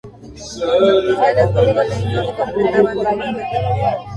Ocho oficiales congoleños completaban el mando efectivo.